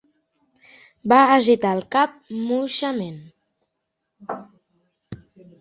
Va agitar el cap moixament.